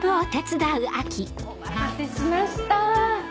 お待たせしました。